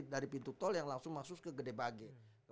dari pintu tol yang langsung masuk ke gede bage